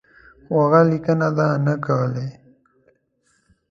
خو هغه لیکني ده نه کولې.